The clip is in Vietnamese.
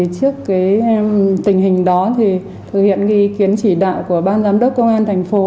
trước tình hình đó thì thực hiện ý kiến chỉ đạo của ban giám đốc công an thành phố